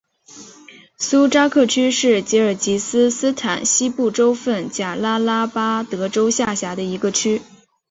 苏扎克区是吉尔吉斯斯坦西部州份贾拉拉巴德州下辖的一个区。